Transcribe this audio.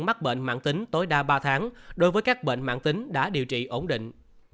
mắc bệnh mạng tính tối đa ba tháng đối với các bệnh mạng tính đã điều trị ổn định